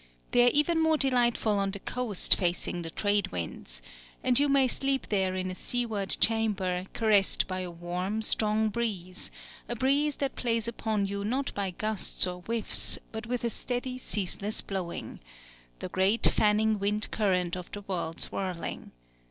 They are even more delightful on the coast facing the trade winds; and you may sleep there in a seaward chamber, caressed by a warm, strong breeze, a breeze that plays upon you not by gusts or whiffs, but with a steady ceaseless blowing, the great fanning wind current of the world's whirling.